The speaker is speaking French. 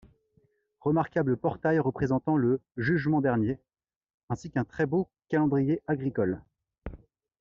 Remarquable portail représentant le Jugement Dernier, ainsi qu'un très beau calendrier agricole.